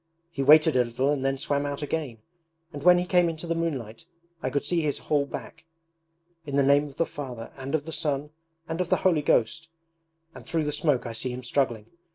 He waited a little and then swam out again; and when he came into the moonlight I could see his whole back. "In the name of the Father and of the Son and of the Holy Ghost"... and through the smoke I see him struggling.